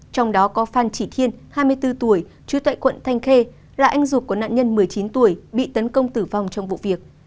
trong đó có phan chỉ thiên hai mươi bốn tuổi chú tại quận thanh khê là anh ruột của nạn nhân một mươi chín tuổi bị tấn công tử vong trong vụ việc